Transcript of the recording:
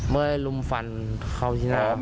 เมื่อลุมฟันเข้าที่น้ำ